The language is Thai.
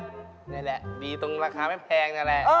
ใช่แหละมีตรงราคาไม่แพงก็แหละ